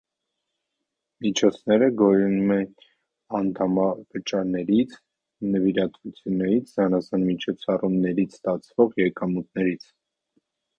Միջոցները գոյանում էին անդամավճարներից, նվիրատվություններից, զանազան միջոցառումներից ստացվող եկամուտներից։